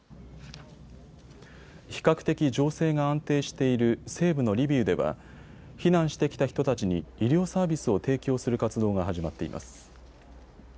比較的情勢が安定している西部のリビウでは避難してきた人たちに医療サービスを提供する活動が始まっています。